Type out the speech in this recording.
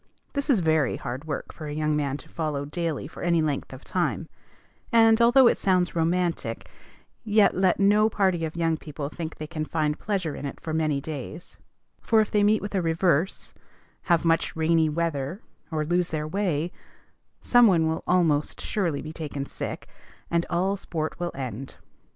This is very hard work for a young man to follow daily for any length of time; and, although it sounds romantic, yet let no party of young people think they can find pleasure in it many days; for if they meet with a reverse, have much rainy weather, or lose their way, some one will almost surely be taken sick, and all sport will end.